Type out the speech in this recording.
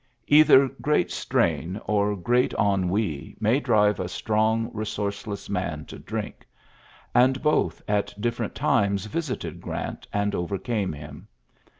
TTLTSSES S. GEANT 27 Either great strain or great ennui may drive a strong, resonrceless man to drink; and both at different times visited Grant, and overcame him.